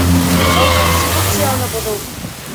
Был конституцияны боҙоу!